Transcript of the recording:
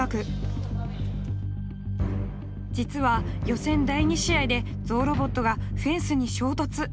実は予選第２試合でゾウロボットがフェンスに衝突。